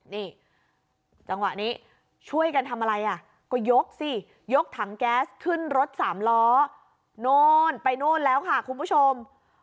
นี่จังหวะนี้ช่วยกันทำอะไรอ่ะก็ยกสิยกถังแก๊สขึ้นรถสามล้อโน่นไปโน่นแล้วค่ะคุณผู้ชม